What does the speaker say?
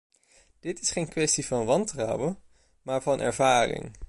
Dit is geen kwestie van wantrouwen, maar van ervaring.